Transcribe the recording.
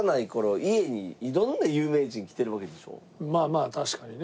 まあまあ確かにね。